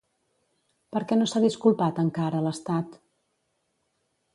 Per què no s'ha disculpat encara, l'estat?